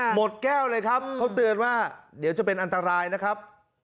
หมดแก้วเลยครับเขาเตือนว่าเดี๋ยวจะเป็นอันตรายนะครับ